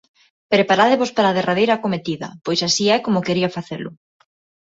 Preparádevos para a derradeira acometida, pois así é como quería facelo.